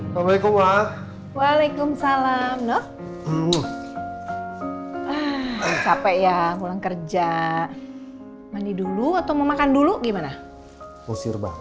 jika bimbing juga tidak bisa kuperbah jornal